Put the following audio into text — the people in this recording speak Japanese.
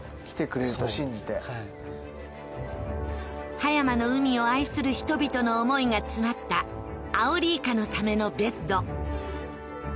葉山の海を愛する人々の思いが詰まったアオリイカのためのベッド。